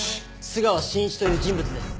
須川信一という人物です。